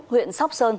huyện sóc sơn